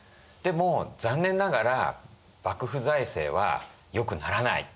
でも残念ながら幕府財政はよくならない。